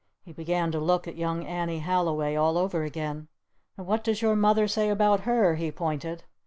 He began to look at Young Annie Halliway all over again. "And what does your Mother say about her?" he pointed.